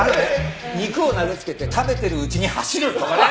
肉を投げつけて食べてるうちに走るとかね。